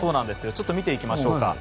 ちょっと見ていきましょうか。